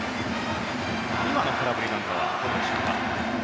今の空振りなんかはどうでしょうか。